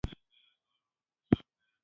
د ای اس ای غاړې پښتون وژنه د ثواب لاره وبلله.